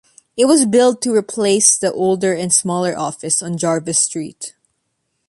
It was built to replace the older and smaller office on Jarvis Street.